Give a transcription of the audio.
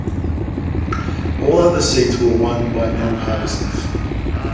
All other seats were won by non-partisans.